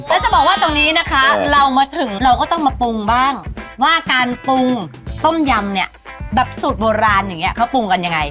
แล้วจะบอกว่าตรงนี้นะคะเรามาถึงเราก็ต้องมาปรุงบ้างว่าการปรุงต้มยำเนี่ยแบบสูตรโบราณอย่างนี้เขาปรุงกันยังไง